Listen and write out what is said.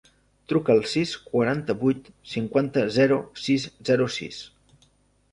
Truca al sis, quaranta-vuit, cinquanta, zero, sis, zero, sis.